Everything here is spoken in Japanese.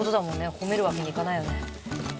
褒めるわけにいかないよね。